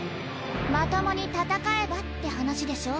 「まともに戦えば」って話でしょ？